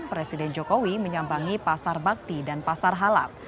presiden jokowi menyambangi pasar bakti dan pasar halal